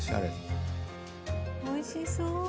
羽田：おいしそう。